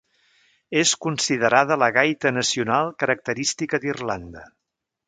És considerada la gaita nacional característica d'Irlanda.